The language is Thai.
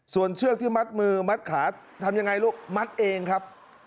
ส่วนเชือกที่มัดมือมัดขาทำยังไงลูกมัดเองครับ